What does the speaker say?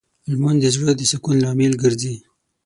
لمونځ د زړه د سکون لامل ګرځي